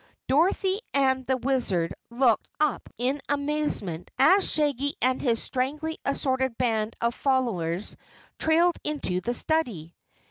Dorothy and the Wizard looked up in amazement as Shaggy and his strangely assorted band of followers trailed into the study.